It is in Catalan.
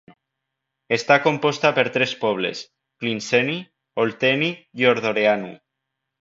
Està composta per tres pobles: Clinceni, Olteni i Ordoreanu.